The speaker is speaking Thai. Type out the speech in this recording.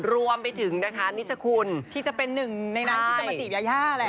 รวมไปถึงนะคะนิชคุณที่จะเป็นหนึ่งในนั้นที่จะมาจีบยาย่าแหละ